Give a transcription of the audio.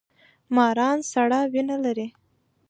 ماران سړه وینه لري